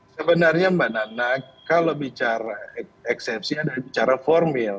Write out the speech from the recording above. sebenarnya mbak nana kalau bicara eksepsi adalah bicara formil